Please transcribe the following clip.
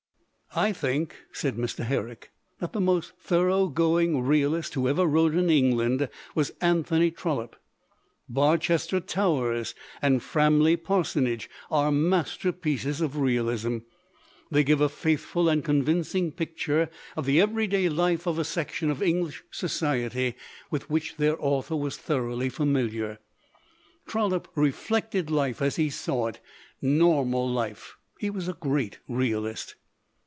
"I think," said Mr. Herrick, "that the most thoroughgoing realist who ever wrote in England was Anthony Trollope. Barchester Towers and Framley Parsonage are masterpieces of realism; they give a faithful and convincing picture of the every day life of a section of English society with which their author was thoroughly familiar. Trollope reflected life as he saw it normal life. He was a great realist.